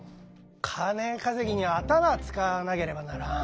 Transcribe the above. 金稼ぎには頭使わなければならん。